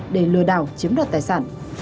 để lừa đảo chiếm đoạt tài sản